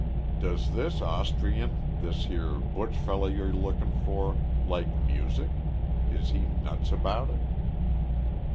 "Does this Austrian, this here Buch feller ye're lookin' for, like music? Is he nuts about it?"